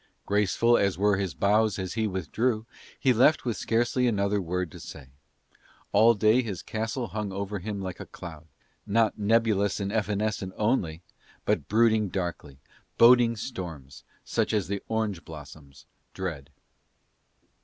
Graceful as were his bows as he withdrew, he left with scarcely another word to say. All day his castle hung over him like a cloud, not nebulous and evanescent only, but brooding darkly, boding storms, such as the orange blossoms dread.